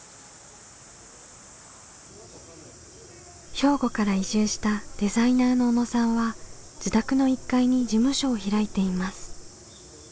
兵庫から移住したデザイナーの小野さんは自宅の１階に事務所を開いています。